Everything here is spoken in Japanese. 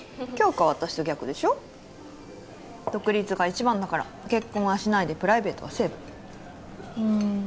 杏花は私と逆でしょ独立が一番だから結婚はしないでプライベートはセーブうん